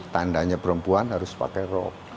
tandanya perempuan harus pakai rok